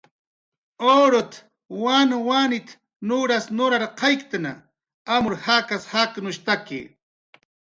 "Urut"" wanwanit"" nuras nurarqayktna, amur jakas jaqnushtaki"